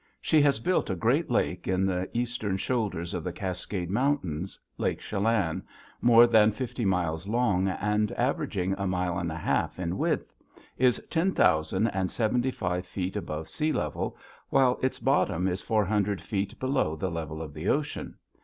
She has built a great lake in the eastern shoulders of the Cascade Mountains. Lake Chelan, more than fifty miles long and averaging a mile and a half in width, is ten hundred and seventy five feet above sea level, while its bottom is four hundred feet below the level of the ocean.